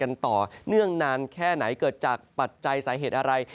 ต่อเนื่องนานแค่ไหนเกิดจากปัจจัยสาเหตุอะไร